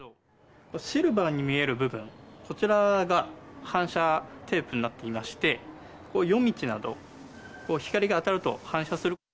シルバーに見える部分、こちらが反射テープになっていまして、夜道など、光が当たると反射する。